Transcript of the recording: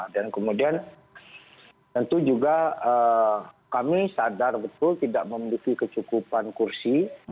dan kemudian tentu juga kami sadar betul tidak memiliki kecukupan kursi